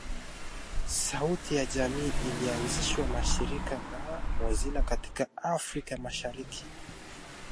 Sauti ya jamii ilianzishwa na shirika la mozila katika afrika mashariki